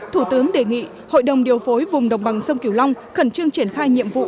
thủ tướng đề nghị hội đồng điều phối vùng đồng bằng sông kiều long khẩn trương triển khai nhiệm vụ